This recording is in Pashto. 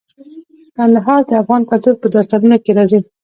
کندهار د افغان کلتور په داستانونو کې راځي.